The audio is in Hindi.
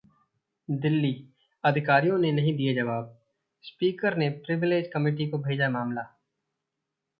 दिल्ली: अधिकारियों ने नहीं दिए जवाब, स्पीकर ने प्रिविलेज कमिटी को भेजा मामला